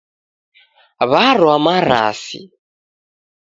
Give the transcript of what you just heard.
Warwa marasi.